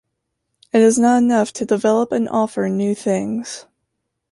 It is not enough to develop and offer new things.